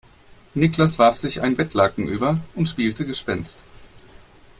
Niklas warf sich ein Bettlaken über und spielte Gespenst.